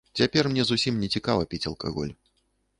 Цяпер мне зусім не цікава піць алкаголь.